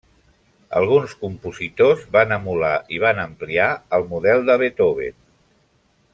Alguns compositors van emular i van ampliar el model de Beethoven.